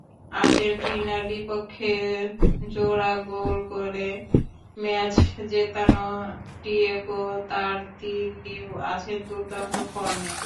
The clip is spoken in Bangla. আর্জেন্টিনার বিপক্ষে জোড়া গোল করে ম্যাচ জেতানো ডিয়েগো তারদিল্লিও আছেন দুর্দান্ত ফর্মে।